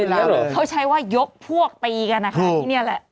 แล้วเขาใช้ว่ายกพวกตีกันนะคะที่นี่แหละ